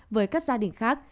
với các gia đình khác